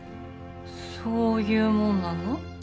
そういうもんなの？